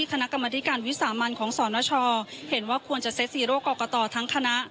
คณะกรรมธิการวิสามันของสนชเห็นว่าควรจะเซ็ตซีโร่กรกตทั้งคณะ